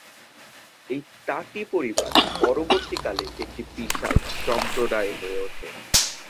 এই তাঁতি পরিবার পরবর্তীকালে একটি বিশাল সম্প্রদায় হয়ে ওঠে।